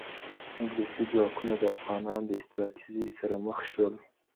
انګلیسي ځواکونه د افغانانو د استراتیژۍ سره مخ شول.